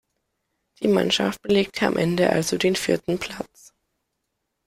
Die Mannschaft belegte am Ende also den vierten Platz.